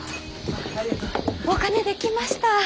お金できました！